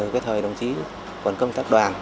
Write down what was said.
còn công tác đoàn